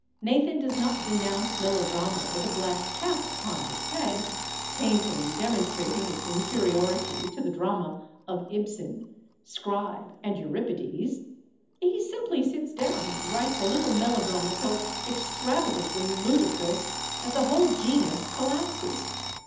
Nathan does not denounce melodrama with a black cap upon his head, painfully demonstrating its inferiority to the drama of Ibsen, Scribe and Euripides; he simply sits down and writes a little melodrama so extravagantly ludicrous that the whole genus collapses.